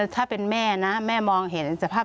ถ้าเป็นแม่นะแม่มองเห็นสภาพ